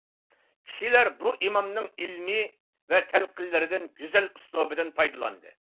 كىشىلەر بۇ ئىمامنىڭ ئىلمى ۋە تەلقىنلىرىدىن، گۈزەل ئۇسلۇبىدىن پايدىلاندى.